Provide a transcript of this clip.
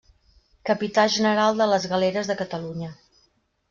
Capità general de les galeres de Catalunya.